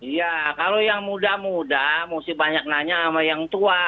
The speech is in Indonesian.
iya kalau yang muda muda mesti banyak nanya sama yang tua